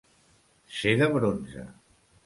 Ser de bronze.